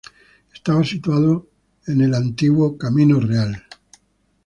Estaba situado en el del Antiguo "Camino Real".